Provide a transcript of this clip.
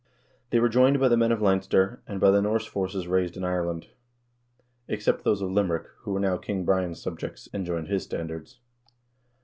They were joined by the men of Leinster, and by the Norse forces raised in Ireland, except those of Limerick, who were now King Brian's subjects, and joined his standards.